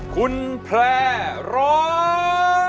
คุณแพร่ร้อง